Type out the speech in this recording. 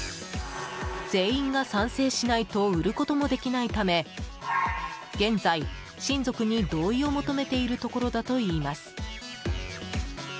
全員が賛成しないと売ることもできないため現在、親族に同意を求めているところだといいます。